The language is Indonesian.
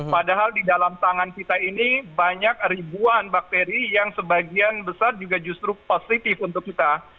padahal di dalam tangan kita ini banyak ribuan bakteri yang sebagian besar juga justru positif untuk kita